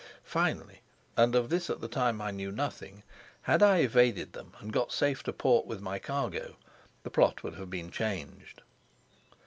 Finally and of this at the time I knew nothing had I evaded them and got safe to port with my cargo, the plot would have been changed.